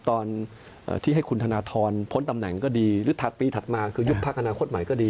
ตอนที่ให้คุณธนทรพ้นตำแหน่งก็ดีหรือถัดปีถัดมาคือยุบพักอนาคตใหม่ก็ดี